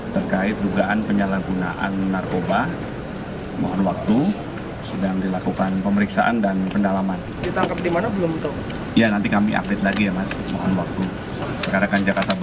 pesinetron rio rayvan diambil kembali di polres metro jakarta